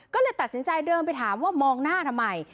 ก็เลยตัดสินใจเดินไปถามว่ามองหน้าทำไม